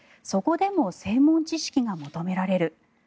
そこでも専門知識が求められる。